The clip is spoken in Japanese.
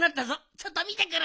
ちょっとみてくる！